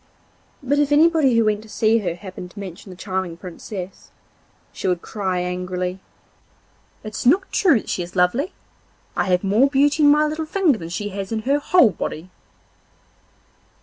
But if anybody who went to see her happened to mention the charming Princess, she would cry angrily: 'It's not true that she is lovely. I have more beauty in my little finger than she has in her whole body.